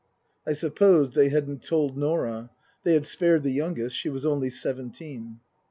I supposed they hadn't told Norah. They had spared the youngest. She was only seventeen.